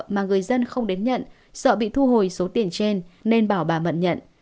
mà người dân không đến nhận sợ bị thu hồi số tiền trên nên bảo bà mận nhận